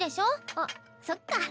あっそっか。